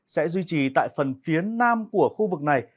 sẽ duy trì tại phần phía nam của khu vực này